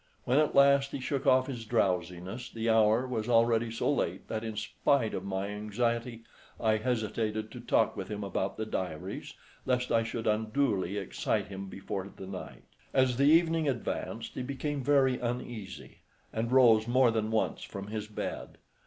When at last he shook off his drowsiness, the hour was already so late that, in spite of my anxiety, I hesitated to talk with him about the diaries, lest I should unduly excite him before the night. As the evening advanced he became very uneasy, and rose more than once from his bed.